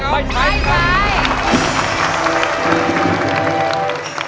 ไม่ใช้ครับ